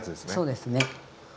そうですね。